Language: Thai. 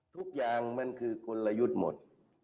ทุกอย่างมันคือกลยุทธ์หมด